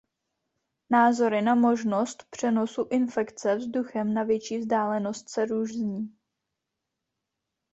Názory na možnost přenosu infekce vzduchem na větší vzdálenost se různí.